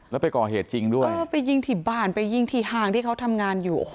แล้วไปก่อเหตุจริงด้วยเออไปยิงที่บ้านไปยิงที่ห่างที่เขาทำงานอยู่โอ้โห